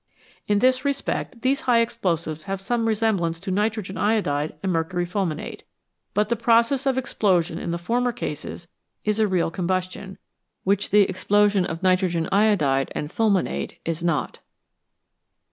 In this respect these high explosives have some resemblance to nitrogen iodide and mercury fulminate, but the process of explosion in the former cases is a real combustion, which the explosion of nitrogen iodide and fulminate is not.